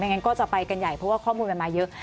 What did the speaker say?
งั้นก็จะไปกันใหญ่เพราะว่าข้อมูลมันมาเยอะ